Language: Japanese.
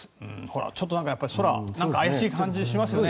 ちょっと空怪しい感じがしますよね。